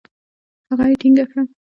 هغه يې ټينګه کړه.